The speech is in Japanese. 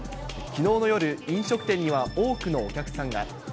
きのうの夜、飲食店には多くのお客さんが。